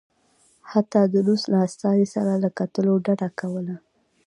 حتی د روس له استازي سره له کتلو ډډه کوله.